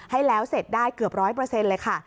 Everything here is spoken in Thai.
ให้แล้วเสร็จได้เกือบ๑๐๐เลยค่ะ